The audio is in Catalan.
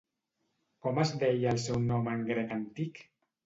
Com es deia el seu nom en grec antic?